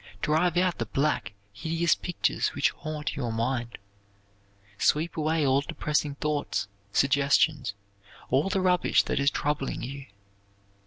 Drive out the black, hideous pictures which haunt your mind. Sweep away all depressing thoughts, suggestions, all the rubbish that is troubling you.